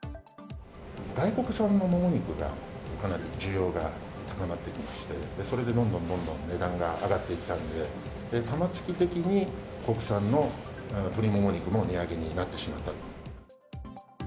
外国産のもも肉がかなり需要が高まってきまして、それでどんどんどんどん値段が上がっていったんで、玉突き的に国産の鶏もも肉も値上げになってしまったと。